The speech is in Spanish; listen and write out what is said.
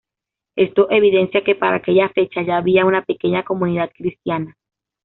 Esto evidencia que para aquella fecha ya había una pequeña comunidad cristiana.